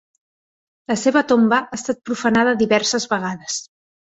La seva tomba ha estat profanada diverses vegades.